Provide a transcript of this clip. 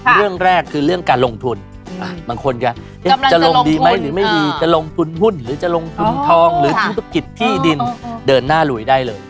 เรื่องแรกคือเรื่องการลงทุนบางคนก็จะลงดีไหมหรือไม่ดีจะลงทุนหุ้นหรือจะลงทุนทองหรือธุรกิจที่ดินเดินหน้าลุยได้เลย